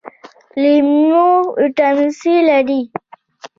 لیمو ویټامین سي لري